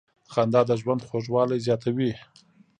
• خندا د ژوند خوږوالی زیاتوي.